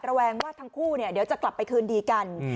แวงว่าทั้งคู่เดี๋ยวจะกลับไปคืนดีกัน